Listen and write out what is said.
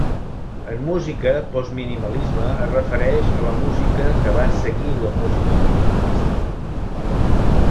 En música, "post-minimalisme" es refereix a la música que va seguir la música minimalista.